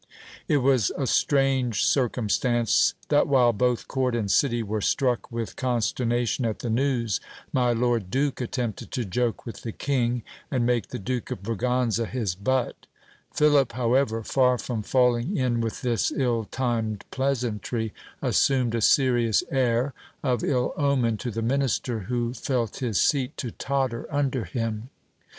It was a strange circumstance, that while both court and city were struck with consternation at the news, my lord duke attempted to joke with the king, and make the Duke of Braganza his butt ; Philip, however, far from falling in with this ill timed pleasantry, assumed a serious air, of ill omen to the minister, who felt his seat to totter under him.